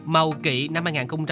màu kỵ năm hai nghìn hai mươi hai